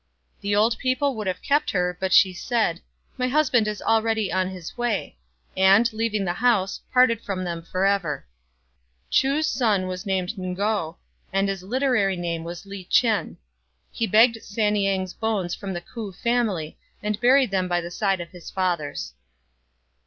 The old people would have kept her, but she said, " My husband is already on his way," and, leaving the house, parted from them for ever. Chu's son was named Ngo, and his literary name was Li ch'en. He begged San niang's bones from the K'ou family, and buried them by the side of his father's.